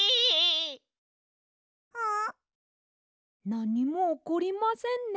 なにもおこりませんね。